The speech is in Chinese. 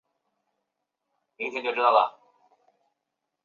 我们买了巴士票